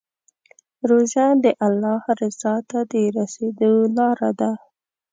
روژه د الله رضا ته د رسېدو لاره ده.